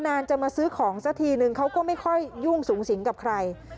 นานจะมาซื้อของสักทีนึงเขาก็ไม่ค่อยยุ่งสูงสิงกับใคร